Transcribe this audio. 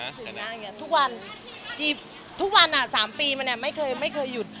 คิดถึงนะทุกวันทุกวัน๓ปีมาไม่เคยหยุด